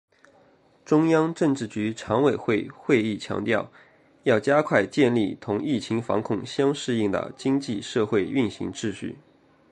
中央政治局常委会会议强调要加快建立同疫情防控相适应的经济社会运行秩序